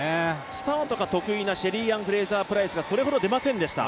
スタートが得意なシェリーアン・フレイザー・プライスがそれほど出ませんでした。